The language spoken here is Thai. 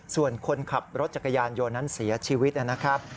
ส่วนคนขับรถจักรยานยนต์นั้นเสียชีวิตนะครับ